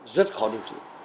rất khó điều trị